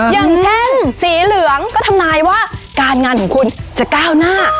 อย่างเช่นสีเหลืองก็ทำนายว่าการงานของคุณจะก้าวหน้า